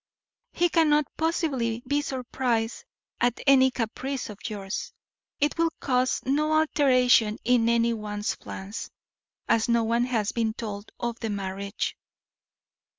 He cannot possibly be surprised at any caprice of yours. It will cause no alteration in any one's plans, as no one has been told of the marriage."